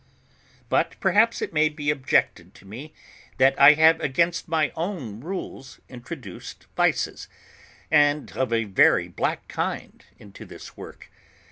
But perhaps it may be objected to me, that I have against my own rules introduced vices, and of a very black kind, into this work.